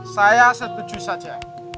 saya setuju saja